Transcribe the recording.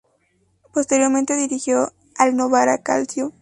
Posteriormente, dirigió al Novara Calcio.